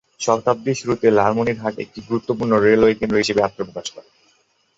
শতাব্দীর শুরুতে লালমনিরহাট একটি গুরুত্বপূর্ণ রেলওয়ে কেন্দ্র হিসাবে আত্মপ্রকাশ করে।